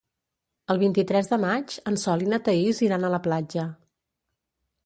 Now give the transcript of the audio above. El vint-i-tres de maig en Sol i na Thaís iran a la platja.